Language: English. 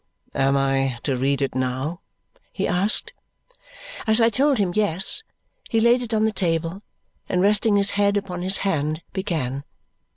"Am I to read it now?" he asked. As I told him yes, he laid it on the table, and resting his head upon his hand, began.